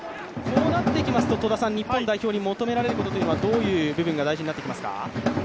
こうなってきますと日本代表に求められるものはどういう部分が大事になってきますか？